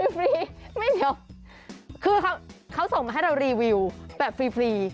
เดูกส่งมาคือเขาส่งมาให้เรารีวิวอย่างฟรี